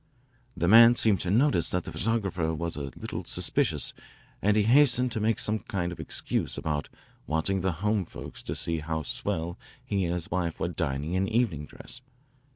The man seemed to notice that the photographer was a little suspicious and he hastened to make some kind of excuse about wanting the home folks to see how swell he and his wife were dining in evening dress.